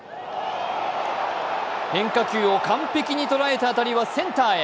変化球を完璧に捉えた当たりはセンターへ。